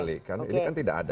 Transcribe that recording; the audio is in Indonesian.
ini kan tidak ada